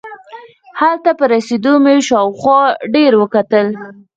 هلته په رسېدو مې شاوخوا ډېر وکتل.